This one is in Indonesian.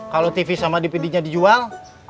kalau tv sama dpd nya dijual